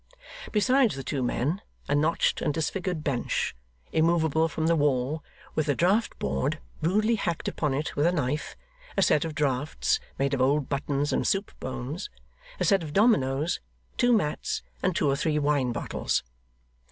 Besides the two men, a notched and disfigured bench, immovable from the wall, with a draught board rudely hacked upon it with a knife, a set of draughts, made of old buttons and soup bones, a set of dominoes, two mats, and two or three wine bottles.